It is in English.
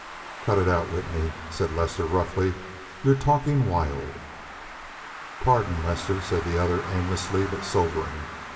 "Cut it out, Whitney," said Lester roughly. "You're talking wild." "Pardon, Lester," said the other aimlessly, but sobering.